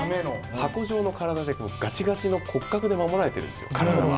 箱状の体でガチガチの骨格で守られてるんですよ体は。